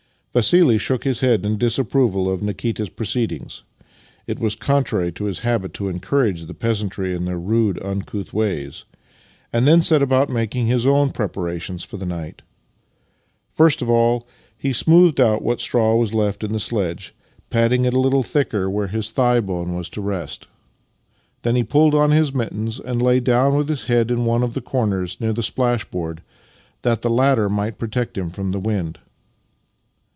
Vassili shook his head in disapproval of Nikita's proceedings (it was contrary to his habit to encourage the peasantry in their rude, uncouth ways), and then set about making his own preparations for the night. First of all, he smoothed out rvhat straw was left in the sledge, padding it a little thicker where his thigh Master and Man 41 bone was to rest. Then he pulled on his mittens and lay down with his head in one of the corners near the splashboard, that the latter might protect him from the wind.